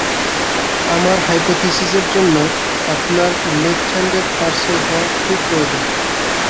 আমার হাইপোথিসিসের জন্যে আপনার লেফট হ্যানডেড পার্সন হওয়া খুবই প্রয়োজন।